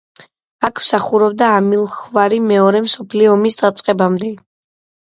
აქ მსახურობდა ამილახვარი მეორე მსოფლიო ომის დაწყებამდე.